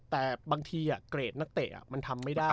แต่บางทีเกรดนักเตะมันทำไม่ได้